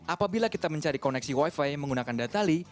apabila kita mencari koneksi wi fi menggunakan datally